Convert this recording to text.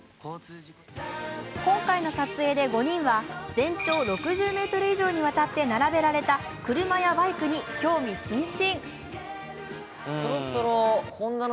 今回の撮影では５人は全長６０ｍ以上にわたって並べられた車やバイクに興味津々。